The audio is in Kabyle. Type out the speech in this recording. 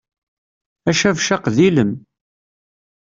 Acabcaq d ilem.